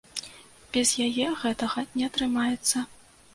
Без яе гэтага не атрымаецца.